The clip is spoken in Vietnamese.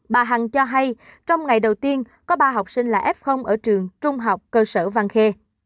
bà hằng cho hay trong ngày đầu tiên có ba học sinh là f ở trường trung học cơ sở văn khê